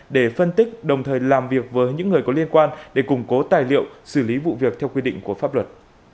để phân tích đồng thời làm việc với những người có liên quan để củng cố tài liệu xử lý vụ việc theo quy định của pháp luật